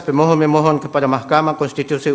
pemohon memohon kepada mahkamah konstitusi